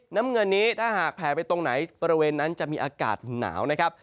น้ำเงินนี้ถ้าหากแผ่ไปตรงไหนบริเวณนั้นจะมีอากาศหนาวนะครับ